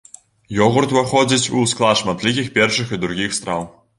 Ёгурт уваходзіць у склад шматлікіх першых і другіх страў.